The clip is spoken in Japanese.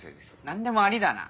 何でもありだな！